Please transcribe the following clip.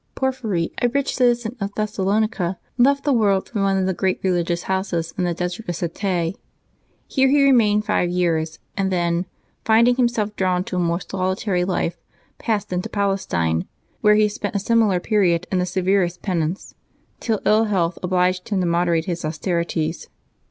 Porphyry, a rich citizen of Thessalonica, left the world for one of the great re ligious houses in the desert of Scete. Here he remained five years, and then, finding himself drawn to a more soli tary life, passed into Palestine, where he spent a similar period in the severest penance, till ill health obliged him to moderate his austerities.